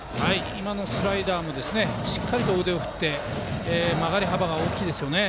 今のスライダーもしっかり腕を振って曲がり幅が大きいですよね。